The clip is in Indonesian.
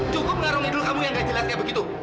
cukup ngaruh idul kamu yang gak jelas kayak begitu